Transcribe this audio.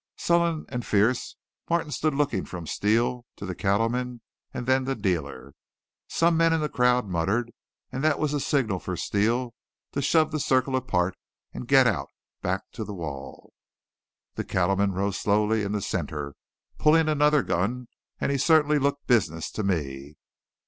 Sullen and fierce, Martin stood looking from Steele to the cattleman and then the dealer. Some men in the crowd muttered, and that was a signal for Steele to shove the circle apart and get out, back to the wall. The cattleman rose slowly in the center, pulling another gun, and he certainly looked business to me.